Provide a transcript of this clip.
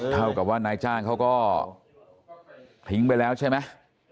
เท่ากับว่านายจ้างเขาก็ทิ้งไปแล้วใช่ไหม